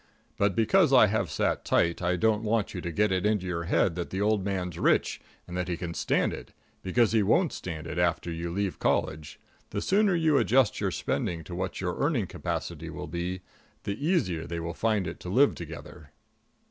But because I have sat tight, I don't want you to get it into your head that the old man's rich, and that he can stand it, because he won't stand it after you leave college. The sooner you adjust your spending to what your earning capacity will be, the easier they will find it to live together.